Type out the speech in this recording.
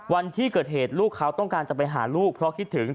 วันที่เกิดเหตุลูกเขาต้องการจะไปหาลูกเพราะคิดถึง